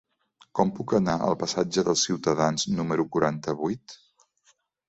Com puc anar al passatge dels Ciutadans número quaranta-vuit?